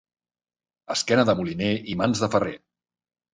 Esquena de moliner i mans de ferrer.